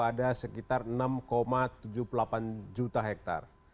ada sekitar enam tujuh puluh delapan juta hektare